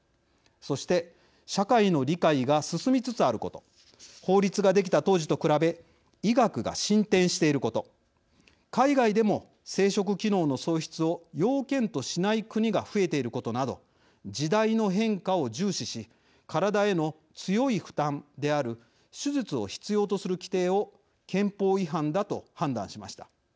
そして社会の理解が進みつつあること法律ができた当時と比べ医学が進展していること海外でも生殖機能の喪失を要件としない国が増えていることなど時代の変化を重視し身体への強い負担である手術を必要とする規定を憲法違反だと判断しました。